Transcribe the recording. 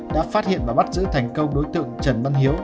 đã phát hiện và bắt giữ thành công đối tượng trần văn hiếu